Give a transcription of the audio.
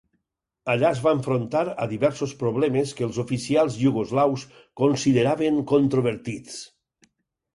Allà es va enfrontar a diversos problemes que els oficials iugoslaus consideraven controvertits.